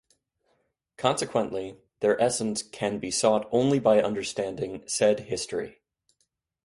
Consequently, their essence can be sought only by understanding said history.